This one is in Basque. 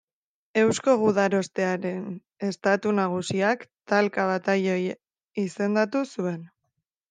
Eusko Gudarostearen Estatu Nagusiak talka batailoi izendatu zuen.